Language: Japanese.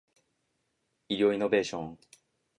医療イノベーション